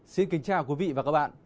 xin kính chào quý vị và các bạn